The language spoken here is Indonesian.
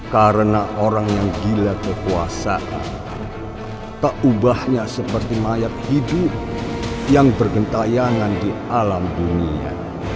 karena orang yang gila kekuasaan tak ubahnya seperti mayat hidup yang bergentayangan di alam dunia